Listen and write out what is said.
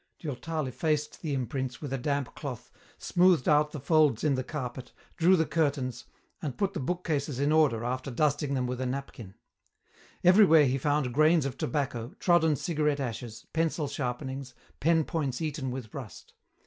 Durtal effaced the imprints with a damp cloth, smoothed out the folds in the carpet, drew the curtains, and put the bookcases in order after dusting them with a napkin. Everywhere he found grains of tobacco, trodden cigarette ashes, pencil sharpenings, pen points eaten with rust.